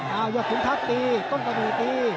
เอาเยาะคุณทัพตี